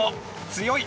強い！